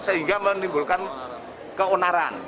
sehingga menimbulkan keonaran